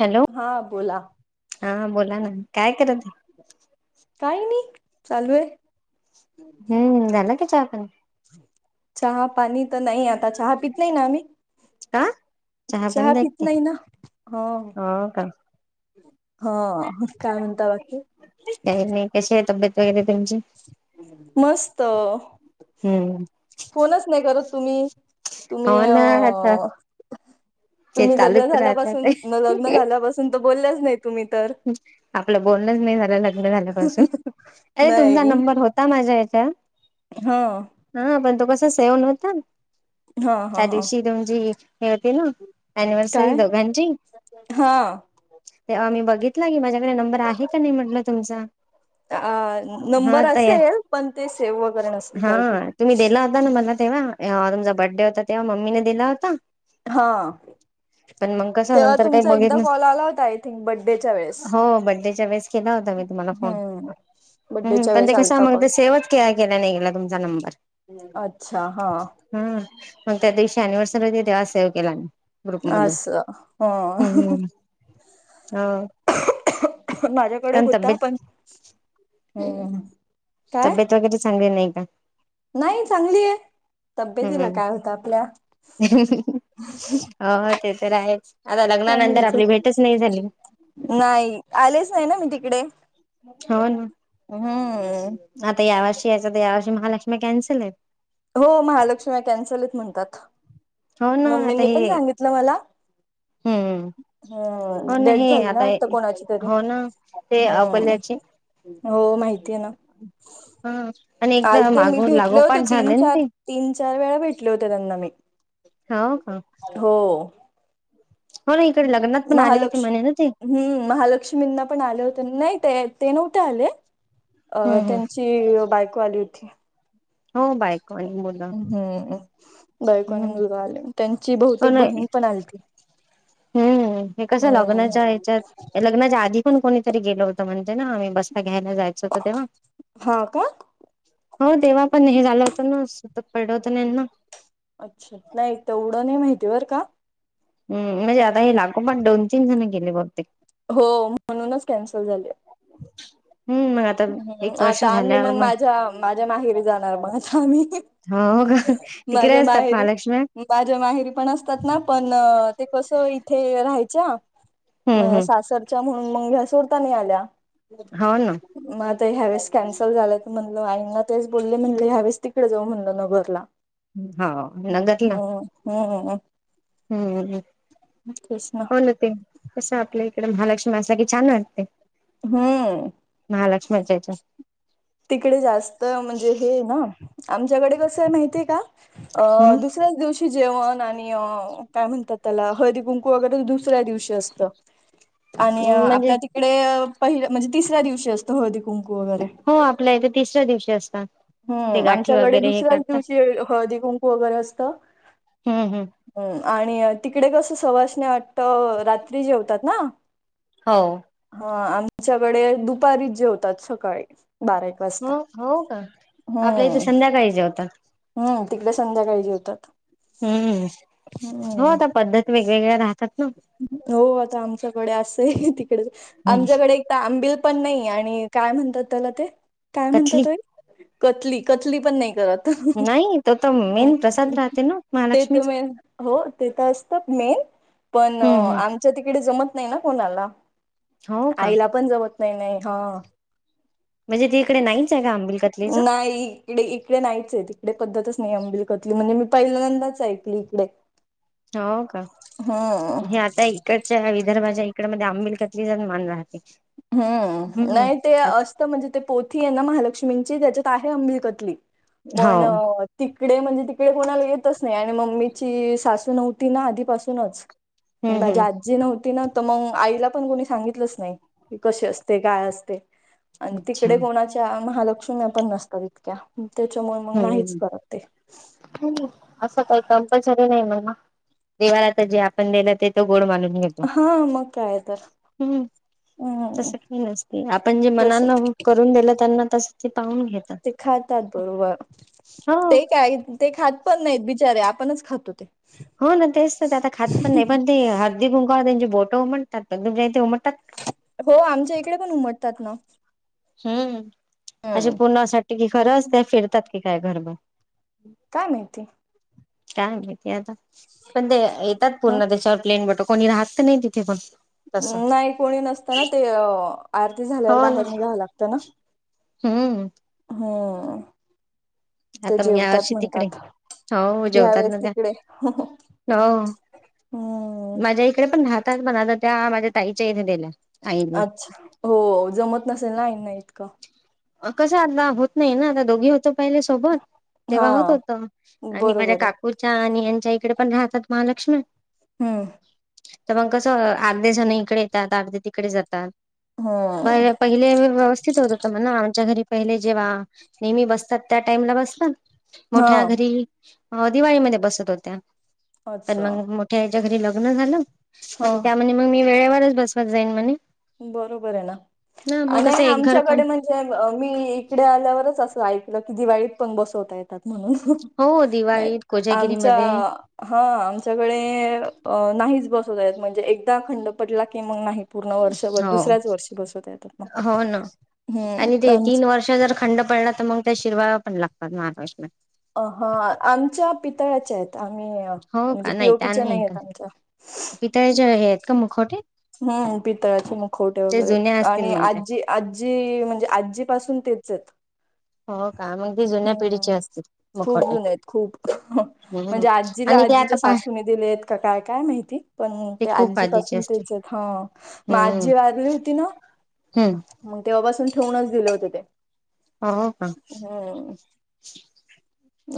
Hello, हा बोला हा बोला ना काय करत आहे? काय नाही, चालूय. हम्म, झाला का चहा पाणी? चहा पाणी तर नाही आता चहा पीत नाही ना आम्ही. का पण चहा पित देखते नाही ना, हा. हो का हा, काय म्हणता बाकी? काही नाही कशी आहे तब्येत वगैरे तुमची मस्त. हम्म फोनच नाही करत तुम्ही. [inaudible] हो तुम्ही अ [inaudible] ना आता [inaudible] ते तुम्ही लग्न चालूच राहतात झाल्यापासून लग्न झाल्यापासून तर बोलल्याच नाही तुम्ही तर [inaudible] आपलं बोलणच नाही [inaudible] झाून अरे तुमचा नाही नंबर होता माझ्या याच्या हा हा पण तो कस सेवल होता. हा हा त्या हा दिवशी तुमची हे होते ना. एनिवर्सरी काय दोघंजी हा तेवा आम्ही ब घेतला की माझ्याकडे नंबर आहे, का नाही म्हटलं तुमचा अ हा नंबर तर असेल पण ते सेव्ह वगैरे नसेल हा काय काय तुम्ही दिला होता ना मला तेव्हा, तुमचा बर्थडे होता तेव्हा मम्मीनेे दिला होता. हा, पण मग कसं तेव्हा नंतर काही तुमचा बघित एकदा नस फॉल आला होता आय थिंक बड्डेच्या वेळे हो बड्डेच्या वेळेस केला होता मी तुम्हाला फोन. हम्म हम बड्डेच्या पण वेळेस ते कसं आलता मग कॉल. ते सेवच केला नाही गेला तुमचा नंबर. अच्छा हा हम मग त्या दिवशी एनिवर्सरी होती, तेव्हा सेव केला मी. ग्रुप मधून असं हा. हम्म हो माझ्याकडे कारण होता तब्येत पण काय तब्येत वगैरे चांगली नाही का? नाही चांगली आहे, तब्येतीला काय होतं आपल्या. हम्म हो, ते तर आहेच आता लग्नानंतर आपली भेटच नाही झाली. नाही, आलेच नाही ना मी तिकडे. हो ना, हम्म आता यावर्ष च तर, यावर्षी महालक्ष्मी कॅन्सल आहे. हो महालक्ष्मी कॅन्सल आहेत म्हणतात. हो ना आता मम्मींनी पण हे सांगितलं मला हम्म हो हम् ना डेथ हे झाली ना आता कोणाची तरी. हो ना ते अ [unintelligible] हम्म हो माहिती आहे ना. आणि काल एकदा ते मी मागो भेटले लागोपाठ होते, तीन झाले ना चार ते तीन चार वेळा भेटले होते त्यांना मी. हो हा. हो होते महालक्ष् म्हणे ना ते हम्म महालक्ष्मींना पण आले होते, नाही ते ते नव्ह ते आले, अ हम्म हम्म त्यांची बायको आली होती. हो बायको आणि मुलं. हम्म बायको आणि हम्म मुलगा आले, त्यांची बहुतेक पण बहीण पण आलती. हम्म हे कसं हम्म लग्नाच्या ह्याच्यात, लग्नाच्या आधी पण कोणीतरी गेलं होतं म्हणते ना आम्ही बस्ता घ्यायला जायचं होतं तेव्हा, हा का हो तेव्हा पण हे झालं होतं ना अस [unintelligible] यांना. अच्छा, नाही तेवढं नाही माहिती बर का. हम् म्हणजे आता हे लागो पण दोन तीन जण गेले बघते हो म्हणूनच कॅन्सल झाले.. हम्म मग आता हम एक वर्ष आता आम्ही झाल्यावर मग माझ्या माझ्या माहेरी जाणार मग आता आम्ही.. हो हो का तिकडे माझ्या असतात माहेरी महालक्ष्मी.. माझ्या माहेरी पण असतात ना पण ते कस इथे राहाय.. हम्म हम्म... च म्हणून म घ्या सड आल्या हो ना म.. ह्यावेळेस कॅन्सल झाला तर म्हणलं आईंना तेच बोलले म्हण ह्यावेळेस तिकडे जाऊ म्हणलं नगरला... हो नगरला हो हो हम्म तेच ना हो न ते कसं आपल्या इकडे महालक्ष्मी... माझ्यासाठी छान वाटते हम्म महालक्ष्मीच्या.. तिकडे जास्त म्हणजे हे ना... आमच्याकडे कसं आहे माहितीय का हम्म दुसऱ्याच दिवशी जेवण आणि अ, काय म्हणतात त्याला हळदी कुंकू वगैरे दुसऱ्या दिवशी असतं. [inaudible] आणि अ म्हणजे आपल्या तिकडे पहि म्हणजे तिसऱ्या दिवशी असतो हळदी कुंकू. वगैरे. हो आपल्या इथे तिसऱ्या दिवशी असतं. हम्म आमच्याकडे दुसऱ्याच दिवशी हळदी कुंकू वगैरे असतं. हम्म हम्म. आणि तिकडे कसं सवासन्या वाटतं रात्री जेवतात ना. हो. अ आमच्याकडे दुपारी जेवतात सकाळी, बारा एक वाजता हो हो का आपल्या इथे हम्म संध्याकाळी जेवतात... हम्म तिकडे संध्याकाळी जेवतात... हम्म हो हम्म आता पद्धत वेगवेगळ्या राहतात. ना हो आता आमच्याकडे अस, हे तिकड हम्म आमच्याकडे एक तर आंबिल... पण नाही आणि काय म्हणतात त्याला, ते काय कथली म्हणतात अय कतली कतली पण नाही करत. नाही तो तर मेन प्रसाद राहते ना ते तर महालक्ष्मीचा म, हो ते त असत मेन, [inaudible] पण आ हम्म आमच्या तिकडे जमत नाही. ना कोणाला हो का आईला पण जमत, नाही नाही हा. म्हणजे ती इकडे नाहीच आहे का आंबिल कतलीच नाही इकडे इकडे नाहीच आहेत तिकडे, पद्धतच नाही आंबील कत्तली, म्हणजे मी पहिल्यांदाच ऐकली इकडे... हो का हम्म हे आता इकडच्या विदर्भाच्या, इकड मध्ये आंबिल कतलीचाच मान राह... हम्म नाही ते असत म्हणजे ते पोथी आहे ना महालक्ष्मी... मिंचित याच्यात आहे आंबीलकतली हो पण त.. तिकडे म्हणजे तिकडे कोणाला येतच नाही आणि मम्मीची सासू नव्हती. ना आधीपासूनच, हम्म म्हणजे हम्म माझी आजी नव्हती ना तर मग आईला पण कोणी सांगितलंच नाही. क कशी असते काय असते आणि अच्छा तिकडे कोणाच्या महालक्ष्मी... अशुण्या पण नसतात इतक्या त्याच्यामुळे मग नाहीच हम्म. करत. ते... हम्म, असं काही कंपल्सरी नाही म्हना देवाला त जे आपण दिलं ते तो गोड मानु.. हाआ म काय तर, तस हम्म काही नसते आपण जे जस मनान हून करून दिलं त्यांना तस ते पाहून घेतात. ते खातात बरोबर हो ते काय ते खात पण नाहीत, बिचारे आपणच खातो ते, हो ना तेच त आता खात पण नाही पण ते हळदी कुंकाल त्यांची बोटं उमटतात तुमच्या इथ उमट.. हो आमच्या इकडे पण उमटतात ना. हम्म अशे हम्म पूर्णा साठी कि खरंच ते फिरतात की काय घरभर, काय माहिती... काय माहिती आता पण ते येतात ह पूर्ण त्याच्यावर प्लेन बट... कोणी राहत नाही तिथे पण, तसं नाही कोणी नसतं ना ते आरती झाल्यावर हो ना बाहेर निघावं लागतं ना हम्म. हम्म ते आता मग या जेवतात वर्षी तिकडे म्हणतात हो जेवतात यावेळेस ना त्या तिकडे हो हम्म माझ्या इकडे पण राहात पण आता त्याआ माझ्या ताईच्या इथे दिल अच्छा हो जमत नसेल ना आईंना इतकं अ कसं अण्णा आहोत नाही ना आता दोघी होतो पहिले सोबत हा तेव्हा होत होत आणि माझ्या बरोबर आहे काकूच्या आणि यां इकडे पण राहतात महालक्ष्मी च्या हम्म. तर मग कसं अर्धे झण इकडे येतात अर्धे तिकडे जातात. हम्म पही पहिले व्यवव्यवस्थित होत. म्हणा आमच्या घरी पहिले जेव्हा नेहमी बसतात त्या टाइमला बसला हा मोठ्या घरी.... हो दिवाळीमध्ये बसत होत्या पण अच्छा मग मोठ्या याच्या घरी लग्न झालं.. हा आणि त्यामध्ये मग मी वेळेवरच बसवत जाईन म्हणे.. बरोबर आहे ना ना मग आणि कसं एक घर काम आमच्याकडे म्हणजे मी इकडे आल्यावरच अस.. त ऐकलं की दिवाळीत पण बसवतय... म्हणून हो दिवाळीत आमच्या कोजागिरीमध्ये हा आमच्याकडे नाही. बस म्हणजे एकदा खंडपटला की मग नाही पूर्ण... वर्षभर हो दुसऱ्याच वर्षी बसवता येतात ना हो ना आणि ते तीन वर्ष जर खंड पडला तर मग त्या शिरवाया पण लागतात महाराष्ट्र अ ह आमच्या पितळ्याच्या आहेत हो म्हणजे का त्या पीओपीच्या नाही का आहेत आमच्या पितळेच्या हे आहेत का मुखवटे हम्म पितळाचे मुखवटे ते वगैरे जुन्या असतील आणि मग त्या आजी आजी म्हणजे आजीपासून ते ते जत हो का मग ती जुन्या हम्म पिढीचे असतील खूप मुखवटे जुन आहेत खूप हम्म म्हणजे आजीला आणि ते आजीच्या आता पा सासूने दिले आहेत का काय काय माहिती पण ते खूप आधीचे आजीपासून असते तेच आहेत हा मग आजीं हम्म जी वारली होती ना हम्म मग तेव्हापासून ठेवूनच दिलं होत ते हो का हम्म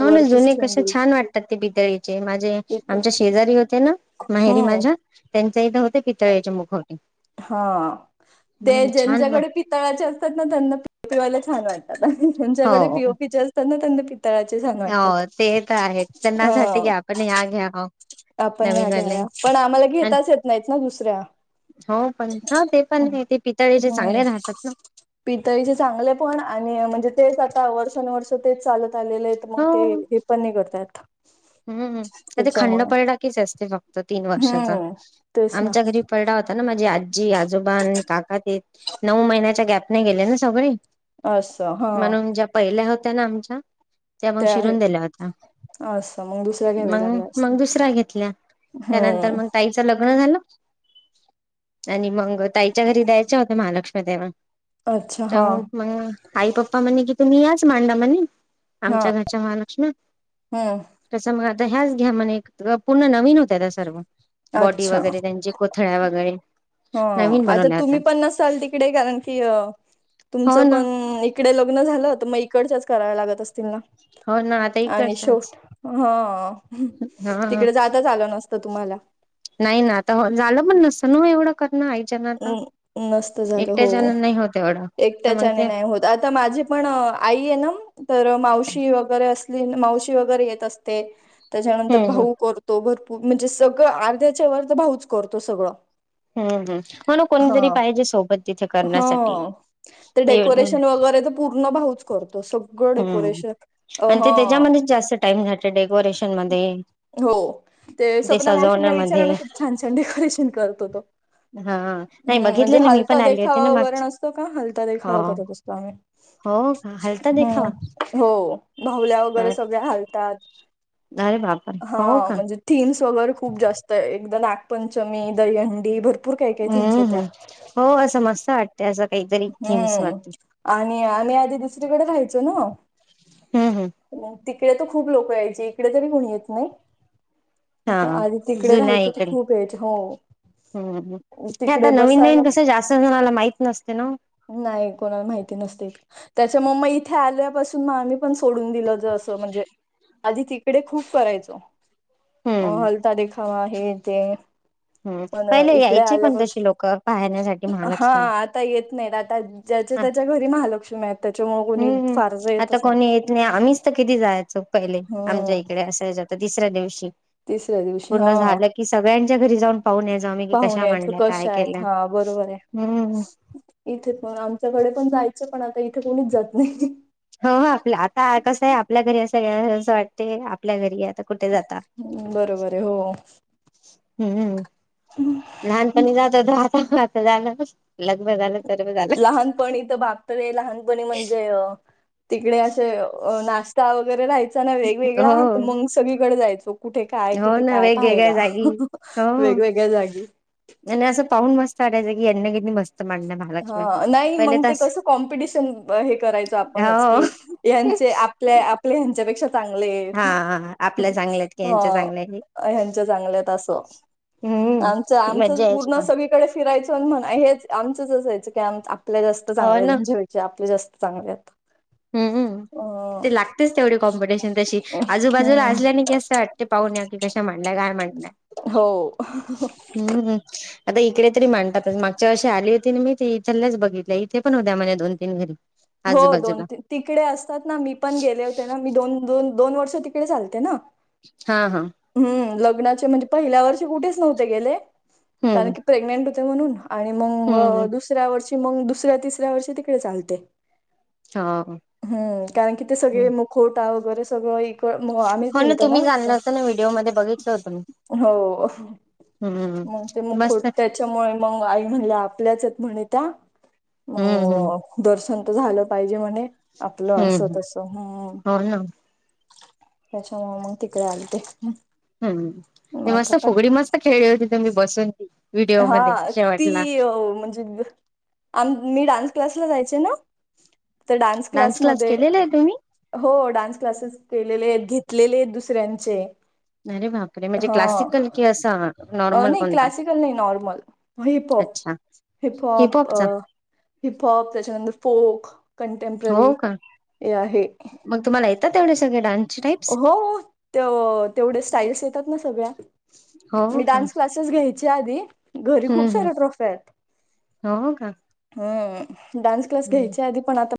हो ना वरतीच जुने ठेवून कसे दिले छान वाटतात ते पितळीचे माझे आमच्या शेजारी होते ना माहेरी हम्म माझं त्यां इथं होते पितळ्याचे मुख. हा ते छान ज्यांच्याकडे पितळा्याचे असतात ना त्यांना पिवायला छान वाटतात. त्यांच्याकडे हो पीओपीचे असतात ना त्यांच्या पितळ्या वाटतात हो ते तर आहे त्यांना अ. असं वाटतं की आपण ह्या घ्या हो आपण घ्या नवीनवाले घ्या्या पण आम्हाला आणि घेताच येत नाहीत ना दुसऱ्या हो पण हो ते पण ते पितळेचे हम्म चांगले राहतात ना पितळीचे चांगले पण आणि म्हणजे ते आता वर्षानुवर्ष तेच चालत आलेले आहेत मग ते हे पण नीघत नाही. हम्मम त्या ते खंड त्याच्यामुळे पडला. अस फक्त तीन वर्षाचा हम्म तेच ना आमच्या घरी पलड होता ना माझी आ जी आजोबा काका ते नऊ महिन्याच्या गॅप नाही गेले ना सगळे. असं हा म्हणून ज्या पहिल्या होत्या. त्या मग ते आहे शिरून दिल्या होत्या. असं मग दुसऱ्या घ्याव्या मग लागल्या मग असतील दुसऱ्या घेतल्या त्यानंतर हम्म मग ताईच लग्न झालं आणि मग ताईच्या घरी द्यायच्या होत्या महालक्ष्मी अच्छा तेव्हा हा मग आई पप्पा म्हणे कि तुम्ही याच मांडा म्हणे हा आमच्या घरच्या महालक्ष्मा हम्म. कसं मग आता ह्याच घ्या म्हणे, पूर्ण नवीन होतता सर्व. बॉडी वगैरे त्यांचे कोथळ्या वगैरे, ह नवीन आता बनवल्या तुम्ही होत्या पण नसाल तिकडे, कारण की अ, हो तुमचं ना पण इकडे लग्न झालं, तर मग इकडच्याच कराव लागत असतील ना, हो ना, आता आणि शोट इकडच्याच हा हा तिकडे जाताच, आलं नसतं तुम्हाला. नाही ना आता झालं पण नसतं, न एवढं कर, आईच्या आच्याण आता, नसतं झालं एकट्या हो जण नाही होते. एकट्याच्याने नाही होत, आता माझी पण आई आहे ना, तर मावशी वगैरे असते. मावशी वगैरे येत असते, त्याच्यानंतर हम्म हम्म भाऊ करतो भरपूर, म्हणजे सगळं अर्ध्याच्या वर्ध भाऊच करतो सगळं. हम्म हम् म्हण कोणीतरी हा पाहिजे, सोबत तिथे हा करण्यासाठी. ते डेकोरेशन वगैरे तर पूर्ण भाऊच करतो. सगळं हम्म डेकोरेशन अ आणि ते हा त्याच्यामध्येच जास्त टाइम झा डेकोरेशन मध्ये. हो ते स्वपना मावशींना विचारा ना कि छान छान डेकोरेशन करतो तो हा नाही हम्म म्हणजे बघितले ना मी हालता पण आली होती ना देखावा वण मागची हलता हो देखावा करत असतो आम्ही हो का हलता देखावा हो भावल्या वैगरे त अरे बापरे ह हो का म्हणजे थीमस वरे खूप जास्त एकदा नागपंचमी दहीहंडी भरपूर काही काही थीम्स हम्म होत्या हम्म हो, असं मस्त वाटत. हम्म आणि आम्ही आधी दुसरीकडे राहायचो ना, हम्म, हम्म, मग तिकडे तर खूप लोकं यायचे, इकडे तरी कोणी येत नाही. आता आधी हा तिकडे राहायचं, हो तर खूप येयच हो, हम हे आता तिकडे नवीन बसायला नवीन कसं जास्त, असणाला माहि नाही कोणाला माहिती नसते त्याच्या म्मा इथे आल्यापासून मग आम्ही, पण सोडून दिलं ज अस म्हणजे, आधी तिकडे खूप करायचो. अ हम्म हलता देखावा, हे तेे, हम् पहिले यायचे पण तशी लोक, पाहण्यासाठी हा महालक्ष्मण, आता येत नाही, आता ज्या त्याच्या घरी महालक्ष्मी, त्याच्यामुळे कोणी हम्म फारसं आता येतच कोणी येत नाही, आम्हीच तर किती जायचो, पहिले आमच्या हम्म इकडे असायच्या तिसऱ्या दिवशी, तिसऱ्या दिवशी हा पूर्ण झालं की सगळ्यांच्या घरी जाऊन, पाहून न जाऊ आम्ही की पाहून कशा यायचं म्हणल्या काय कशा केल्या हम्म, इथेच पण आमच्याकडे पण जायचं, पण आता इथे कोणीच जात नाही. हो आप आता कसं आहे, आपल्या घरी असं असं वाटते आपल्या घरी आहो आता, कुठे जाता. बरोबर आहे हो, हम्म लहानपणी जात होातात, झालं लग्न झालं, सर्व झालं लहानपणी तर बापरे, लहानपणी म्हणजे तिकडे असे ना, रस्ता वगैरेहाच, वेगवेगळा हो. मग सगळीकडे जायचो, कुठे काय हो कुठे ना काय वेगवेगळ्या पाहायला जागी हो वे, वेगळ जागी, आणि असं पाहून मस्त वाटायचं, की यांना किती मत मांडणं, ह नाही मग ते कस कॉम्पिटिशन हे करायचं, आपणच हो की यां आपल्या आपल्या हच्यापेक्षा, चांगले, हा आहेत आपल्या चांगल्या आहेत की यांच्या ह चांगल्या आहेत. ह्यांच्या चांगल्यात असं. आमचं हम्म आमचं मज्जा यायची पूर्ण पण सगळीकडे फिरायचं म्हण हेच, आमचंच असायचं की आ आपल्या जास्त हो चांगल्या आहेत, तेणच्या पेक्षा, आपल्या जास्त चांगल्या आहेत. हम्मम, अ ते लागतेच तेवढी कॉम्पिटिशन तशी आजूबाजूला हम्म असल्याने की, असं वाटते पाहूया की कशा म्हणल्याय काय म्हडलंय, हो, हम्म हम्, आता इकडे तरी मांडतातच मागच्या अशी आली होती, मी ती इथच बघितल्या इथे पण होत्या माझ्या दोन तीन घरी, हो दोन आजूबाजूला तीन तिकडे असतात ना, मी पण गेले होते ना मी दोन दोन, दोन वर्ष तिकडे चालते ना [inaudible] हम्म लग्नाचे म्हणजे पहिल्या वर्षी कुठेच नव्हते गेले कारण हम्म की प्रेग्नेंट म्हणून आणि मग हम्म दुसऱ्या वर्षी मग दुसऱ्या तिसऱ्या वर्षी तिकडे चालते हो हम्म कारण कि ते सगळे मुखोटा वगैरे सगळं ग आम्हीच दिलतो ना व्हिडिओ मध्ये बघितलं होतं मी हो हम्म मग ते मुखवटा मस्त त्याच्यामुळे मग आई म्हणल आपल्याचायत म्हणे त्या हम्म हम्म मग दर्शन तर झालं पाहिजे म्हणे आपलं अस हम्म तस हो ना त्याच्यामुळे मग तिकडे आलते, हम्म मग ते आता मस्त पण फुगडी मस्त खेळली होती त म्ही बसून ती, हा ती म्हणजे आ, मी डान्स क्लासला जायचे ना तर डान्स क्लास क्लासमध्ये केलेला आहे तुम्ही हो डान्स क्लासेस केलेले आहेत घेतलेले आहेत दुसऱ्यांचे अरे बापरे म्हणजे हा क्लासिकल कि असा नॉर्मल नाही कोणता क्लासिकल नाही नॉर्मल हिपॉप अच्छा हिपहॉप अ हिपहॉपचा हिपहॉप त्याच्यानंतर फोक कंटेम्प्ररी हो का आहे मग तुम्हाला येतात तेवढे सगळे डान्स हो तेवढ्या स्टाईल्स येतात ना सगळ्या हो मी का? डान्स क्लासेस घ्याय च्या आधी घरी हं खूप हं साऱ्या ट्रॉफ्या आहेत हो का? अ डान्स क्लास घ्यायच्या आधी पण आता